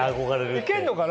いけんのかな？